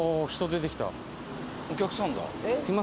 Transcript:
お客さんだ。